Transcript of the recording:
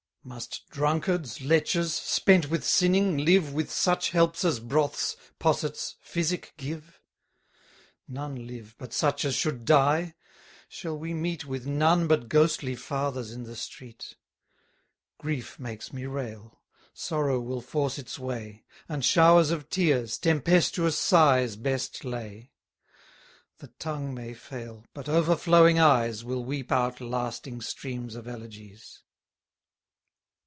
Must drunkards, lechers, spent with sinning, live With such helps as broths, possets, physic give? None live, but such as should die? shall we meet With none but ghostly fathers in the street? Grief makes me rail; sorrow will force its way; And showers of tears, tempestuous sighs best lay. 90 The tongue may fail; but overflowing eyes Will weep out lasting streams of elegies.